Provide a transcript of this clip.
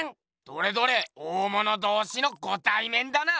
どれどれ大物同士のごたいめんだな。